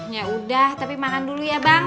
yaudah tapi makan dulu ya bang